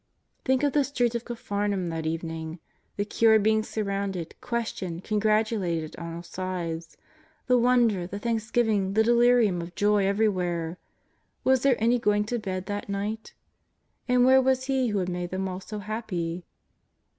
'' Think of the streets of Capharnaum that evening : the cured being surrounded, questioned, congratulated on all sides ; the wonder, the thanksgiving, the delirium of joy everywhere. Was there any going to bed that night ? And where was He who had made them all so happy